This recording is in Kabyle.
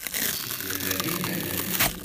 Zik, nella d imdanen.